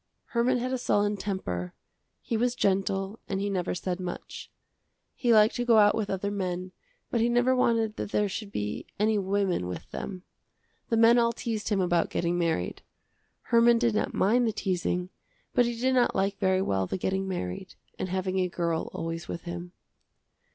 Herman had a sullen temper; he was gentle and he never said much. He liked to go out with other men, but he never wanted that there should be any women with them. The men all teased him about getting married. Herman did not mind the teasing but he did not like very well the getting married and having a girl always with him.